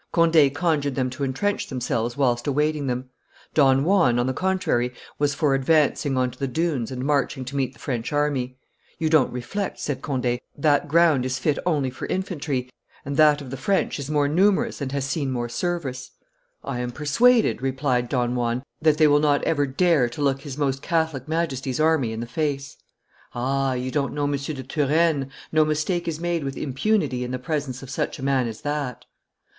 Conde, conjured them to intrench themselves whilst awaiting them; Don Juan, on the contrary, was for advancing on to the dunes and marching to meet the French army. 'You don't reflect,' said Conde 'that ground is fit only for infantry, and that of the French is more numerous and has seen more service.' 'I am persuaded,' replied Don Juan, 'that they will not ever dare to look His Most Catholic Majesty's army in the face.' 'Ah! you don't know M. de Turenne; no mistake is made with impunity in the presence of such a man as that.